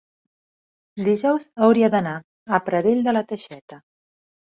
dijous hauria d'anar a Pradell de la Teixeta.